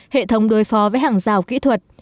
hệ thống đối phó với hàng rào kỹ thuật